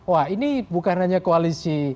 wah ini bukan hanya koalisi